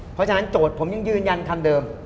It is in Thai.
เพราะฉะนั้นโจทย์ผมยังยืนยันคำเดิม